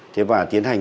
thế và tiến hành